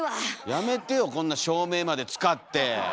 やめてよこんな照明まで使って！